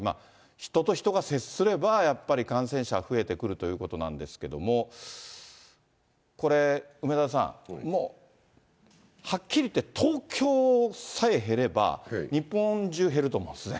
人と人が接すれば、やっぱり感染者は増えてくるということなんですけれども、これ、梅沢さん、はっきり言って東京さえ減れば、日本中減ると思うんですね。